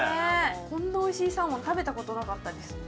こんな美味しいサーモン食べた事なかったです。